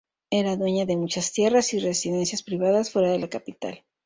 Era dueña de muchas tierras y residencias privadas fuera de la capital.